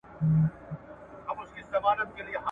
نه سېلونه هر آواز ته سی راتللای `